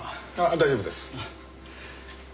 大丈夫です。